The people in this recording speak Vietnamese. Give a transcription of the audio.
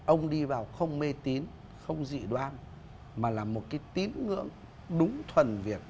ông đi vào không mê tín không dị đoan mà là một cái tín ngưỡng đúng thuần việc